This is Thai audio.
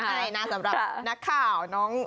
เป็นประเภทให้นะ